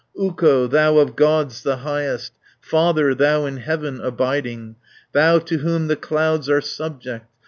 "Ukko, thou of Gods the highest. Father, thou in heaven abiding, Thou to whom the clouds are subject.